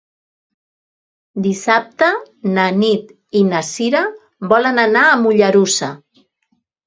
Dissabte na Nit i na Sira volen anar a Mollerussa.